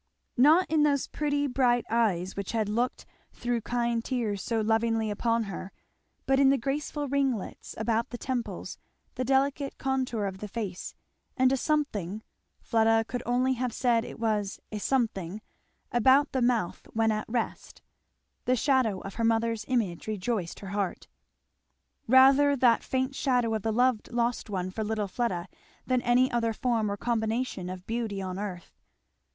Not in those pretty bright eyes which had looked through kind tears so lovingly upon her; but in the graceful ringlets about the temples, the delicate contour of the face, and a something, Fleda could only have said it was "a something," about the mouth when at rest, the shadow of her mother's image rejoiced her heart. Rather that faint shadow of the loved lost one for little Fleda, than any other form or combination of beauty on earth.